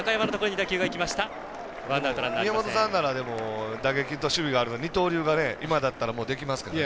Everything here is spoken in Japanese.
宮本さんなら打撃と守備があるので二刀流が今だったらもうできますからね。